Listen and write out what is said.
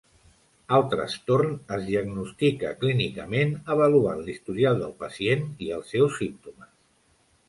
El trastorn es diagnostica clínicament avaluant l'historial del pacient i els seus símptomes.